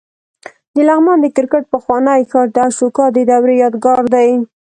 د لغمان د کرکټ پخوانی ښار د اشوکا د دورې یادګار دی